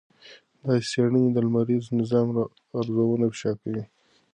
داسې څېړنې د لمریز نظام رازونه افشا کوي.